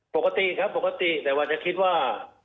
ปกติครับปกติแต่ว่าจะคิดว่า